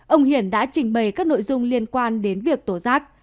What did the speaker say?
ông hiền đã trình bày các nội dung liên quan đến việc tố giác